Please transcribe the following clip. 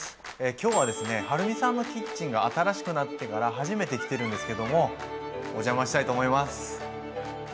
今日はですねはるみさんのキッチンが新しくなってから初めて来てるんですけどもお邪魔したいと思います。